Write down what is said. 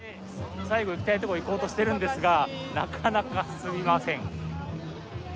最後、行きたいとこ行こうとしてるんですが、なかなか進みません。